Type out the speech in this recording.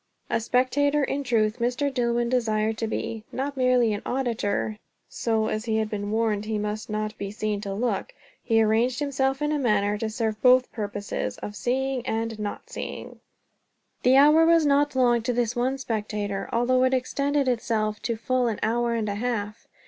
A spectator in truth Mr. Dillwyn desired to be, not merely an auditor; so, as he had been warned he must not be seen to look, he arranged himself in a manner to serve both purposes, of seeing and not seeing. The hour was not long to this one spectator, although it extended itself to full an hour and a half.